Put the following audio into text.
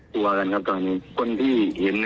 กลัวกันตอนนี้